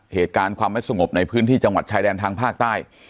เหตุการณ์ความไม่สงบในพื้นที่จังหวัดชายแดนทางภาคใต้